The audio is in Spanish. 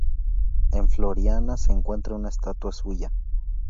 En Floriana se encuentra una estatua suya.